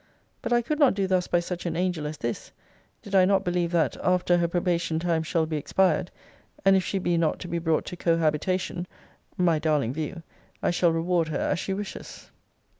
But I could not do thus by such an angel as this, did I not believe that, after her probation time shall be expired, and if she be not to be brought to cohabitation, (my darling view,) I shall reward her as she wishes.